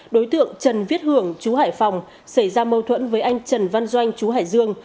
đối tượng trần viết hưởng chú hải phòng xảy ra mâu thuẫn với anh trần văn doanh chú hải dương